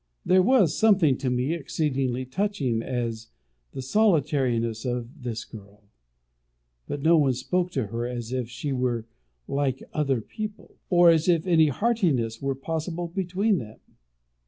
There was something to me exceedingly touching in the solitariness of this girl; for no one spoke to her as if she were like other people, or as if any heartiness were possible between them.